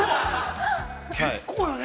◆結構なね。